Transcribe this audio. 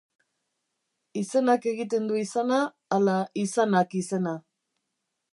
Izenak egiten du izana ala izanak izena?